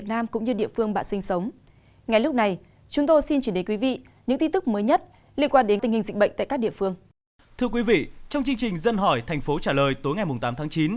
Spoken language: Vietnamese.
thưa quý vị trong chương trình dân hỏi thành phố trả lời tối ngày tám tháng chín